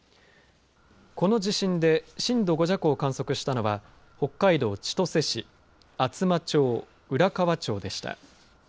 この地震で震度５弱を観測したのは北海道千歳市厚真町、浦河町でした。